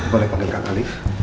boleh panggil kak alief